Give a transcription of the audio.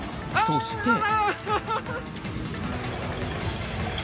そして。